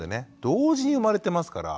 同時に生まれてますから。